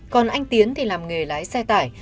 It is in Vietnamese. còn anh tiến thì làm nghề lái xe tải